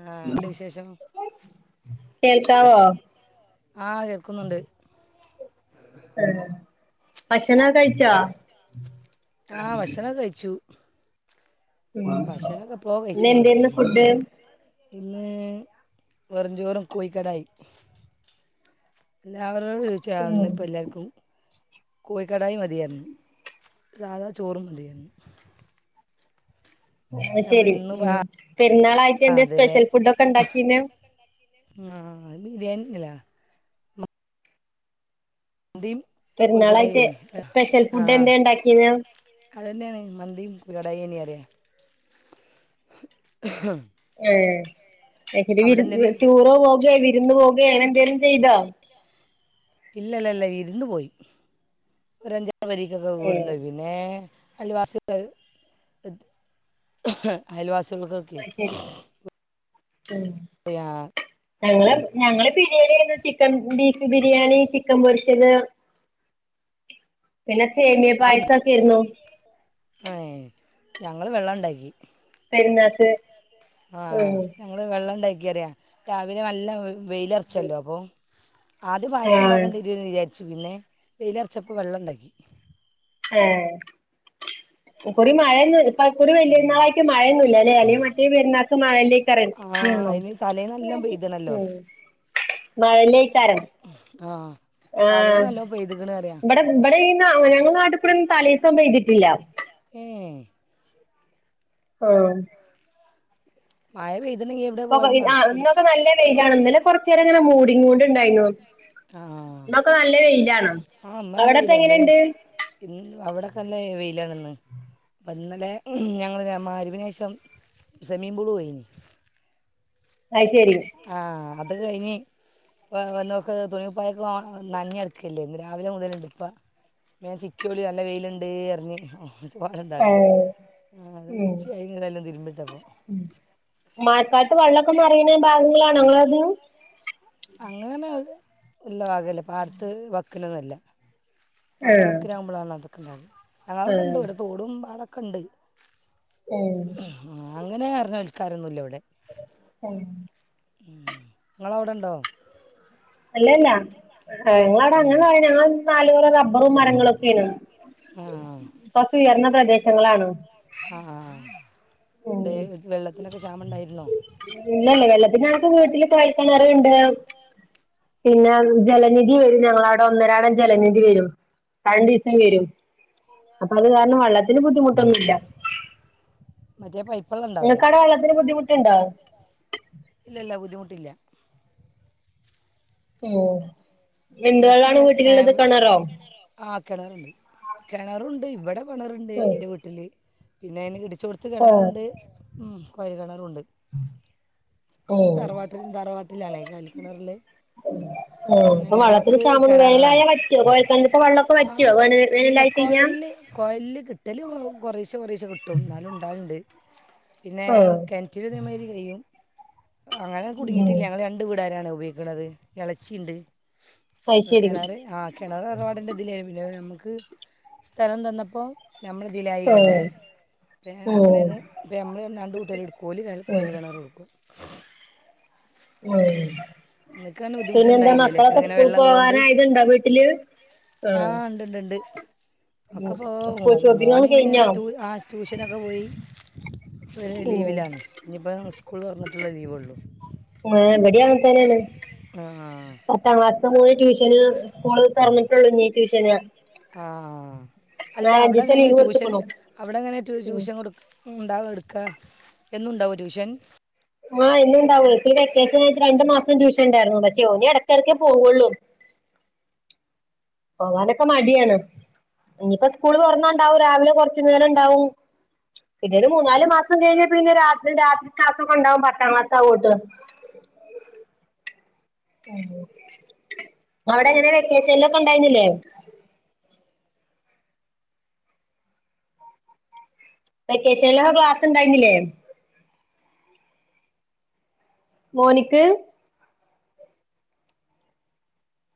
ആഹ എന്തുണ്ട് വിശേഷം? കേൾക്കാവോ ആഹ് കേക്കുന്നുണ്ട്. ഏഹ് ഭക്ഷണക്കെ കഴിച്ചാ? ആഹ് ഭക്ഷണക്കെ കഴിച്ചു. ഉം ഭക്ഷണോക്കെ എപ്ലോ ഇന്ന് കഴിച്ചല്ലോ. എന്തേര്ന്നു ഫുഡ് ഇന്ന് വെറുഞ്ചോറും കോഴിക്കടായി. എല്ലാവരോടും ചോയ്ച്ച ഉം ഇന്ന് ഇപ്പ എല്ലാവർക്കും. കോയിക്കടായി മതി യെന്നു സാധാ ചോറും മതിയെന്നു. അത് അപ്പോൾ ശെരി ഇന്ന് ആ ഉം. പെരുന്നാളായിട്ട് എന്ത‌ അതെ സ്പെഷ്യൽ ഫുഡ്‌ ഒക്കെ ഉണ്ടാക്കീന്നെ? ആഹ് ബിരിയാണിന്നെ മന്തിം. പെരുന്നാളായിട്ട് സ്പെഷ്യൽ ഫുഡ് എന്തേ ഉണ്ടാക്കിന? അത് തന്നെയാണ് മന്തിയും കോഴികടായി തന്നെ പറിയാ ആഹ് അത്ശരി എന്തുണ്ടായി ടുറോ പോകയോ വിരുന്ന് പോകയോ എന്തെങ്കലിലും ചെയ്തോ? ഇല്ലല്ലല്ല വിരുന്ന് പോയി ഒരഞ്ചറ് പരിക്ക്ഒക്കെ കൂടുന്ന ഏഹ് പോയി ഏഹ് അയൽവാസികൾ അയൽവാസികൾക്കൊക്കെയ്. ഉം ശരി. [unintelligible] ഞങ്ങള് ഞങ്ങള് ബിരിയാണിരുന്നു ചിക്കൻ ബീഫ് ബിരിയാണി ചിക്കൻ പൊരിച്ചത്. പിന്നെ സേമിയ പായസൊക്കെ ആയിരുന്നു. ആഹ് ഞങ്ങൾ വെള്ളം ഉണ്ടാക്കി. പെരുന്നാക്ക്. ആഹ് ഉം ഞങ്ങള് വെള്ളം ഉണ്ടാക്കി പറിയാം രാവിലെ നല്ല വെയിലറച്ചല്ലോ അപ്പൊ ആദ്യം പായസം ആഹ് ഉണ്ടാക്കണ്ടേന്ന് വിചാരിച്ചു പിന്നെ വെയിലറച്ചപ്പപ്പോ വെള്ളം ഉണ്ടാക്കി. ഏഹ് ഇകൊറി മഴന്നു ഇക്കുറി വലിയരുന്നാളായിട്ട് മഴയൊന്നുല്ലല്ലേ അല്ലെങ്കി മേറ്റേ പെരുന്നാൾക്ക് മഴന്നേക്കാരംന്ന്. നല്ലം പെയ്തണല്ലോ. മഴല്ലേക്കാരം ആഹ് ആഹ് ഇബടെ ഇബടെ ഈന്നാ അങ്ങനേന്നും നാട്ടിക്കൂടെ ഒന്നും തലേസം പെയ്തിട്ടില്ല ഏഹ് ആഹ് മഴ പെയ്ത് ണെങ്കി എവിടെ ഇപ്പൊക്കെ പോവലും ആഹ് നട്ക്കൂല ഇന്നൊക്കെ നല്ല വെയിലാണ് ഇന്നലെ കൊറച്ചേരങ്ങനെ മൂടീക്കൂണ്ട്ണ്ടായ്രുന്നു ആ ഇന്നൊക്കെ നല്ല വെയിലാണ് ആഹ് ഇന്ന് നല്ല അവിടെപ്പം വെയിലാ ഇന്ന് എങ്ങനെണ്ട് ഇന്ന് അവിടെക്കെ നല്ല വെയിലാണിന്ന് അപ്പം ഇന്നലെ ഞങ്ങള് മഹ്രിബിന് ശേഷം സെമീമ്പൂള് പോയിനി അയ്ശരി ആഹ് അത് കഴിഞ്ഞ് ഇപ്പ വ വന്നോക്ക് തുണിംകുപ്പായൊക്കെ ഓൺ നഞ്ഞി എട്ക്കല്ലേ ഇന്ന് രാവിലെ മുതല്ണ്ട് ഇപ്പ ഇപ്പ ഞാൻ ചിക്കി ഓള് നല്ല വെയ്ല്ണ്ട് അർഞ്ഞ് ഏഹ് [unintelligible] ഉം ഉച്ചയായി ഇങ്ങനെല്ലാം തിര്മ്പിട്ടപ്പോ മഴക്കാലത്ത് വെള്ളാെക്കെ നെറേയ്ണ് ഭാഗങ്ങളിലാണോ ഇങ്ങളത് അങ്ങനെഒന്നും ഇല്ല ഭാഗല്ല പാട്ത്ത് വക്കിലൊന്നുഅല്ല ഏഹ് പാടവക്ക്നാവുമ്പളാണ് ഇതൊക്കെ ഇണ്ടാവല് ഞങ്ങളവ്ടെ ഇണ്ടവ്ടെ തോട് ടും പാടക്കെ ഇണ്ട് ഏഹ് അങ്ങനെ ആയ്ര്ന്ന ആൾക്കാരൊന്നുല്ല ഇവടെ ഏഹ് ഇങ്ങളവ്ടെണ്ടോ അല്ലല്ല ഏ് ഇങ്ങവ്ടെ ഏ അങ്ങനെ പറയാ നാലുപുറം റബ്ബറും മരങ്ങളും ഒക്കെള്ളൂ ആഹ് കൊർച്ച് ഉയർന്ന പ്രദേശങ്ങളാണ് ആഹ്ആഹ് ഉം തേ വെള്ളത്തിനൊക്കെ ക്ഷാമം ഇണ്ടായിര്ന്നോ ഇല്ലല്ല വെള്ളത്തിനായിട്ട് വീട്ടില് കൊഴൽക്കെണറ്ണ്ട് പിന്നെ ജലനിധി വരും ഞങ്ങളവ്ടെ ഒന്നരാടം ജലനിധി വരും രണ്ടീസം വരും അപ്പ അത് കാരണം വള്ളത്തിന് ബുദ്ധിമുട്ടൊന്നുല്ല മറ്റേ പൈപ്പള്ളൺ ഇങ്ങക്കവ്ടെ വള്ളത്തിന് ബുദ്ധിമുട്ട്ണ്ടോ ഇല്ല ഇല്ല ബുദ്ധിമുട്ടില്ല ഉം എന്ത് വെള്ളാണ് വീട്ടില്ള്ളത് കെണറോ ആഹ് കെണറുണ്ട് കെണറുണ്ട് ഇവടെ കെണറ്ണ്ട് ആഹ് ഇന്റെ വീട്ട്ല് പിന്നെ ഇന്നെ കെട്ടിച്ചോട് ത്ത് ഉം കെണറുണ്ട് ഉം കൊയൽ കെണറൂണ്ട് [inaudible] ഉം തറവാട്ടില് തറവാട്ടിലാലേ കെയൽകെണറ്ള്ള് ഉം പിന്നെ അപ്പൊ വെള്ളത്തിന് ഞങ്ങക്ക് ക്ഷാമം വേനലായാ വറ്റോ കൊഴൽ കെണറ്ത്തെ വള്ളാെക്കെ വറ്റോ വനൽ വേനലായി കഴിഞ്ഞാ കൊയൽല്ല് കിട്ടല് കൊ കൊറേശ്ശ കൊറേശെ കിട്ടും ഇന്നാലും ഇണ്ടാവല്ണ്ട് പിന്നെ ആഹ് കെൺ റ്റ് ഇതേമായ്രി കയ്യും അങ്ങനെ ഉം ഞങ്ങള് രണ്ട് വീടാരാണ് ഉപയോഗിക്ക് ക്ക്ണത് എളച്ചി ഇണ്ട് അത് ശരി കെണറ് ആര് കെണറ് ഇറപാടിൻ്റെ ഇതിലേയി പിന്നെ നമ്മക്ക് സ്ഥലം തന്നപ്പോ നമ്മള ഇ തീലായി ആഹ് കെണറ് പിന്നെ ഉം നമ്മളേന്ന് ഇപ്പ നമ്മള് രണ്ട് കൂട്ടര് ഇട്ക്കും ഓല് രൾ ഉം കൊഴല് കെണറൂം ഇട്ക്കും ഉം ന്ന്ക്കാന് ബുദ്ധിമുട്ട് ഇണ്ടായില്ലല്ലേ ക്ക്ങ്ങനെ വെ പോവാനായത്ണ്ടോ വീട്ട്ല് ആഹ് ഇണ്ട്ണ്ട് ണ്ട് ണ്ട് ഉം ഒക്കെ പോ സ്കൂൾ വ് ഷോപ്പിങ്ങൊക്കെ മോന് കഴിഞ്ഞോ റ്റു ആഹ് ട്യൂഷനൊക്ക പോയി പ്പെ ഉം ലീവിലാണ് ഇഞ്പ്പം ഉസ്കൂള് തൊർന്ന്ട്ട്ള്ള ലീവൊള്ളു ആഹ് ഇവിടേം ഏഹ് ഇബടിം അങ്ങൻതെന്നേണ് ആഹ് ആഹ് ട്ടാ ഹസ്‌ബന്റിന് ട്യൂഷന് സ്കൂള് തൊറന്ന്ട്ടെള്ളു ഇഞ് ട്യൂഷന് ആഹ് അല്ല അവിടെ നാലഞ്ചീസം എങ്ങനെ ലീവ് ട്യൂഷന് കൊടുത്തുക്കുണു അവിടെങ്ങനെ റ്റു ട്യൂഷൻ ഉം കൊടുക്ക ക്കുണ്ടാവാ എട്ക്കാ എന്നുണ്ടാവോ ട്യൂഷൻ ആഹ് എന്നുണ്ടാവൊയ് ഇപ്പ ഈ വെക്കേഷൻ ആയിട്ട് രണ്ട് മാസം ട്യഷൻ ഇണ്ടാര്ന്നു പക്ഷേ ഓന് എടക്കെടക്കേ പോവൊള്ളൂ പോകാനൊക്കെ മടിയാണ് ഇനിയിപ്പോ സ്കൂള് തൊറന്ന ഇണ്ടാവും രാവിലെ കൊറച്ചു നേരം ഇണ്ടാവും പിന്നെ ഒരു മൂന്നാല് മാസം കഴിഞ്ഞ പിന്നെ രാത്രിം രാത്രി ക്ലാസൊക്കെ ഇണ്ടാവും പത്താം ക്ലാസ്സ് ആവോണ്ട് ആണോ അവടെ എങ്ങനെ വെക്കേഷൻല്ലൊക്കെ ഇണ്ടായ്ന്നില്ലെ വെക്കേഷൻലൊക്കെ ക്ലാസ് ഇണ്ടായ്ന്നില്ലേ മോനിക്ക്